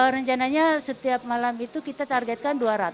rencananya setiap malam itu kita targetkan dua ratus